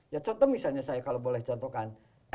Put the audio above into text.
ya contoh misalnya saya kalau boleh contohkan